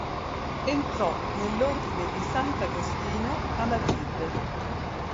Entrò nell'ordine di Sant'Agostino a Madrid.